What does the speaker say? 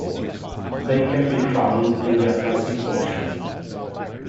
They can be found in the Atlantic Ocean.